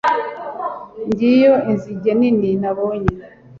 Ngiyo inzige nini nabonye